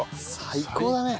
最高だね。